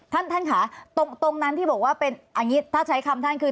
ท่านท่านค่ะตรงนั้นที่บอกว่าเป็นอันนี้ถ้าใช้คำท่านคือ